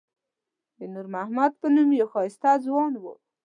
د نور محمد په نوم یو ښایسته ځوان و.